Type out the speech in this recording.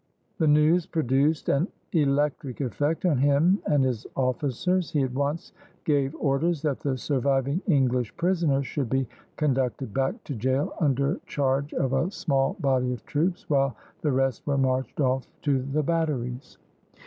The news produced an electric effect on him and his officers. He at once gave orders that the surviving English prisoners should be conducted back to gaol under charge of a small body of troops, while the rest were marched off to the batteries.